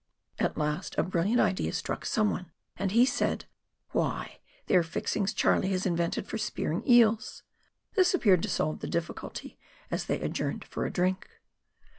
At last a brilliant idea struck some one, and he said, " Why, they are fixings Charlie has invented for spearing eels." This appeared to solve the difficulty, as they adjourned for a drink.